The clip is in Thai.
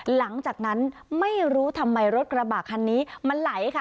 หลังจากนั้นไม่รู้ทำไมรถกระบะคันนี้มันไหลค่ะ